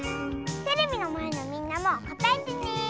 テレビのまえのみんなもこたえてね！